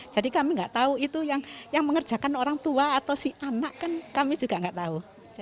jadi kami tidak tahu itu yang mengerjakan orang tua atau si anak kan kami juga tidak tahu